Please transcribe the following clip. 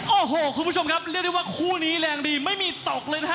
โอ้โหคุณผู้ชมครับเรียกได้ว่าคู่นี้แรงดีไม่มีตกเลยนะฮะ